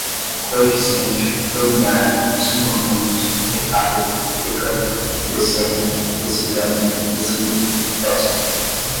coeficiente, colinear, subconjuntos, decágono, decâmetro, decênio, decigrama, decímetro, décimo